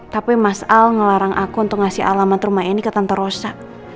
tapi mas al ngelarang aku untuk ngasih alamat rumah ini ke tante rosa